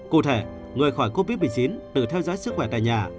cụ thể người khỏi covid một mươi chín được theo dõi sức khỏe tại nhà